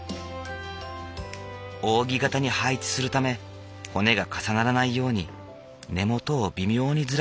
扇形に配置するため骨が重ならないように根元を微妙にずらしながらはっていく。